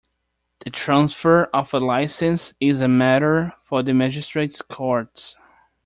The transfer of a licence is a matter for the magistrates' courts.